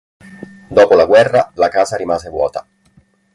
Dopo la guerra, la casa rimase vuota.